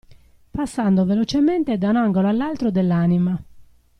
Passando velocemente da un angolo all'altro dell'anima.